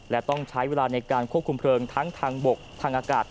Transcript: และต้องใช้เวลาในการควบคุมเพลิงทั้งทางบกทางอากาศ